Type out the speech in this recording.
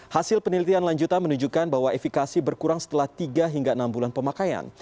hasil penelitian lanjutan menunjukkan bahwa efikasi berkurang setelah tiga hingga enam bulan pemakaian